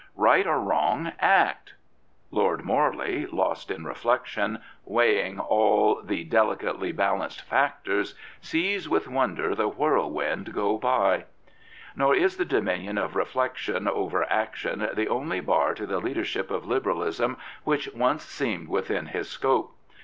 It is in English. "Right or wrong, act!" Lord Morley, lost in reflection, weighing all the delicately b^anced factors, sees with wonder the whirlwind go by. 149 Prophets, Priests, and Kings Nor is the dominion of reflection over action the only bar to the leadership of Liberalism which once seemed within his scope.